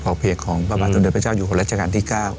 เพจของพระบาทสมเด็จพระเจ้าอยู่หัวรัชกาลที่๙